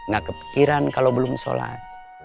nah kepikiran kalau belum sholat